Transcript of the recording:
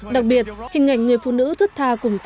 đặc biệt hình ảnh người phụ nữ rất tha cùng ta